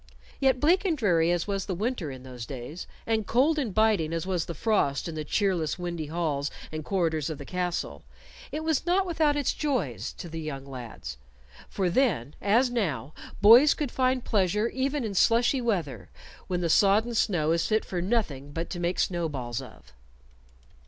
Yet bleak and dreary as was the winter in those days, and cold and biting as was the frost in the cheerless, windy halls and corridors of the castle, it was not without its joys to the young lads; for then, as now, boys could find pleasure even in slushy weather, when the sodden snow is fit for nothing but to make snowballs of.